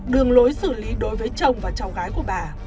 đường lối xử lý đối với chồng và cháu gái của bà